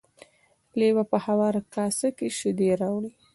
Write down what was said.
لیوه په هواره کاسه کې شیدې راوړې.